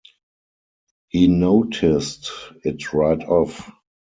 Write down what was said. He noticed it right off.